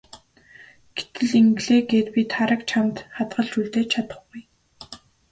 Гэтэл ингэлээ гээд би Тараг чамд хадгалж үлдээж чадахгүй.